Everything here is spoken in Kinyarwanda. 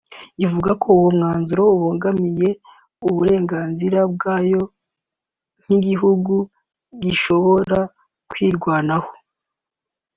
ivuga ko uwo mwanzuro ubangamiye uburenganzira bwayo nk’igihugu gishobora kwirwanaho